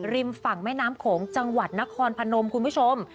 ริมฝั่งแม่น้ำโขงจังหวัดนครพนมคุณผู้ชม